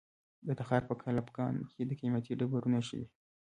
د تخار په کلفګان کې د قیمتي ډبرو نښې دي.